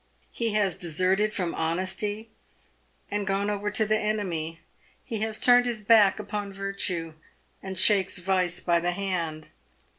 He has deserted from honesty, and gone over to the enemy — he has turned his back upon virtue, and shakes vice by the hand.